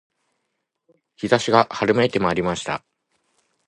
陽射しが春めいてまいりました